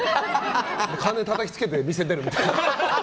金たたきつけて店を出るみたいな。